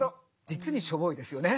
実にしょぼいですよね。